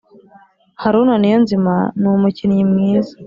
Haruna niyonzima ni umukinnyi mwiza